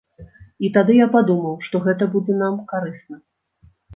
І тады я падумаў, што гэта будзе нам карысна.